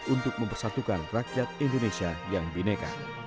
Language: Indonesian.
untuk mempersatukan rakyat indonesia yang bineka